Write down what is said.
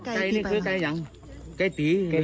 ไก่นี้คือไก่อย่างไก่ปี